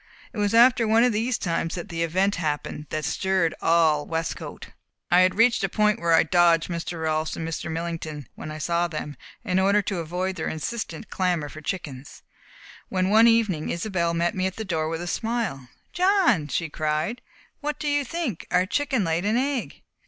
It was after one of these times that the event happened that stirred all Westcote. I had reached a point where I dodged Mr. Rolfs and Mr. Millington when I saw them, in order to avoid their insistent clamour for chickens, when one evening Isobel met me at the door with a smile. "John!" she cried. "What do you think! Our chicken laid an egg!"